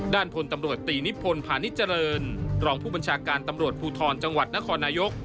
พลตำรวจตีนิพลพาณิชเจริญรองผู้บัญชาการตำรวจภูทรจังหวัดนครนายก